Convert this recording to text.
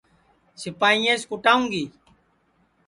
سِپائییاس کُوٹاؤں گی